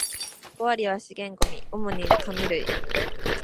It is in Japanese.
五割は資源ゴミ、主に紙類